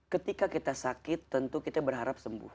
ketika kita sakit tentu kita berharap sembuh